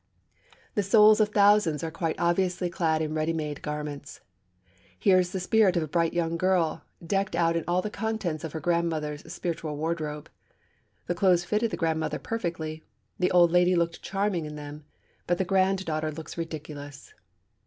The souls of thousands are quite obviously clad in ready made garments. Here is the spirit of a bright young girl decked out in all the contents of her grandmother's spiritual wardrobe. The clothes fitted the grandmother perfectly; the old lady looked charming in them; but the grand daughter looks ridiculous.